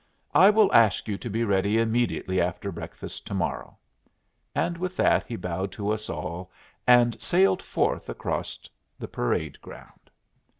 "I will ask you to be ready immediately after breakfast to morrow." And with that he bowed to us all and sailed forth across the parade ground.